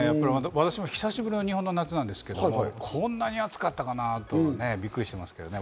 私も久しぶりの日本の夏なんですけど、こんなに暑かったかなとびっくりしましたけどね。